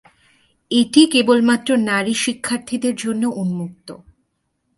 এটি কেবলমাত্র নারী শিক্ষার্থীদের জন্য উম্মুক্ত।